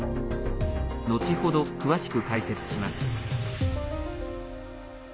後ほど、詳しく解説します。